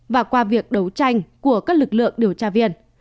và qua việc đấu tranh của các lực lượng điều tra viên